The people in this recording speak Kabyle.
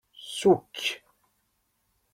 Sukk.